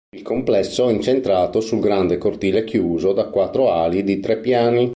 Il complesso è incentrato sul grande cortile chiuso da quattro ali di tre piani.